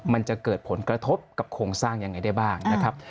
มันจะเกิดผลกระทบกับโครงสร้างยังไงได้บ้างนะครับ